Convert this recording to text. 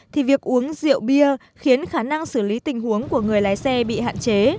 thì việc uống rượu bia khiến khả năng xử lý tình huống của người lái xe bị hạn chế